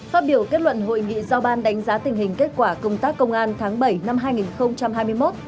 phát biểu kết luận hội nghị giao ban đánh giá tình hình kết quả công tác công an tháng bảy năm hai nghìn hai mươi một